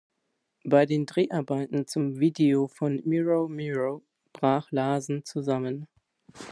Bei den Dreharbeiten zum Video von "Mirror, Mirror" brach Larsen zusammen.